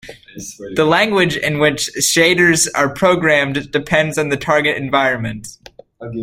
The language in which shaders are programmed depends on the target environment.